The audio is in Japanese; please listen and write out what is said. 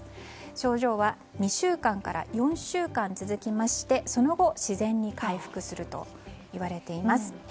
症状は２週間から４週間続きましてその後、自然に回復するといわれています。